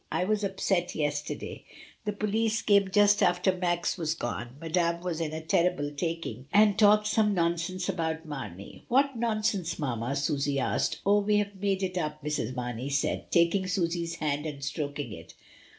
I was upset yesterday; the police came just after Max was gone. Madame was in a terrible taking, and talked some nonsense about Mamey." "What nonsense, mamma?" Susy asked. "Oh! we have made it up," Mrs. Mamey said, taking Susy's hand and stroking it.